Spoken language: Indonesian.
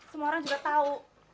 semua orang juga tahu